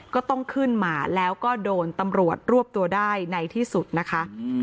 ก็ต้องขึ้นมาแล้วก็โดนตำรวจรวบตัวได้ในที่สุดนะคะ